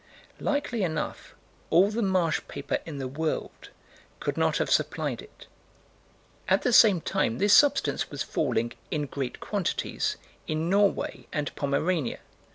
Likely enough all the marsh paper in the world could not have supplied it. At the same time, this substance was falling "in great quantities," in Norway and Pomerania.